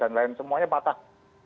kemudian semuanya patah